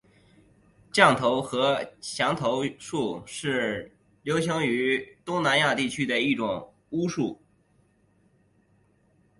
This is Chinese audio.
降头或降头术是流行于东南亚地区的一种巫术。